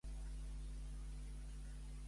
El partit de l'Espanyol saps com ha anat?